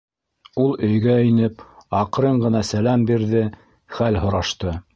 Ул өйгә инеп, аҡрын ғына сәләм бирҙе, хәл һорашты.